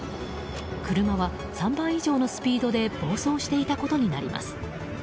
車は３倍以上のスピードで暴走していたことになります。